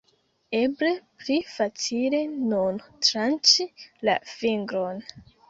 Eble, pli facile nun tranĉi la fingron